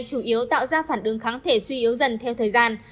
chủ yếu tạo ra phản ứng kháng thể suy yếu dần theo thời gian